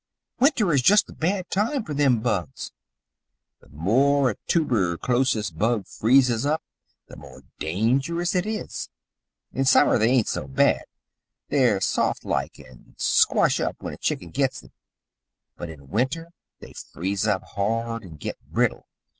"Winter is just the bad time for them bugs. The more a toober chlosis bug freezes up the more dangerous it is. In summer they ain't so bad they're soft like and squash up when a chicken gits them, but in winter they freeze up hard and git brittle.